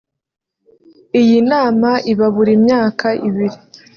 Iyi nama iba buri myaka ibiri